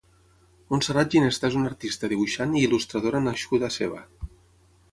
Montserrat Ginesta és una artista, dibuixant i il·lustradora nascuda a Seva.